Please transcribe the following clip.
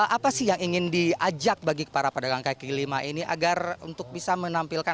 apa sih yang ingin diajak bagi para pedagang kaki lima ini agar untuk bisa menampilkan